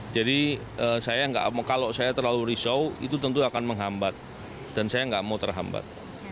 jadi kalau saya terlalu risau itu tentu akan menghambat dan saya tidak mau terhambat